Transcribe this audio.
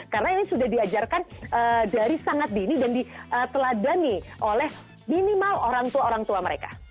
karena ini sudah diajarkan dari sangat dini dan diteladani oleh minimal orang tua orang tua mereka